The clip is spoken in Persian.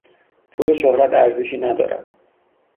پول و شهرت ارزشی ندارد.